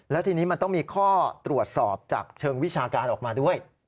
แล้วทีนี้มันต้องมีข้อตรวจสอบจากเชิงวิชาการออกมาด้วย